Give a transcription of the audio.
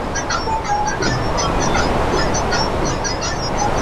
তবে জানা উচিত ছিল।